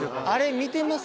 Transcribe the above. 見てます？